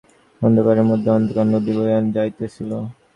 অন্ধকারের মধ্যে অন্ধকার নদী বহিয়া যাইতেছিল।